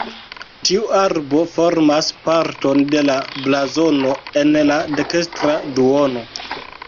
Tiu arbo formas parton de la blazono en la dekstra duono.